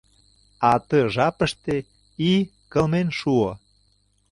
А ты жапыште ий кылмен шуо.